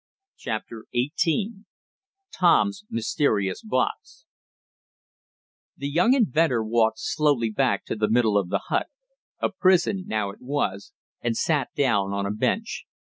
CHAPTER XVIII TOM'S MYSTERIOUS BOX The young inventor walked slowly back to the middle of the hut a prison now it was and sat down on a bench.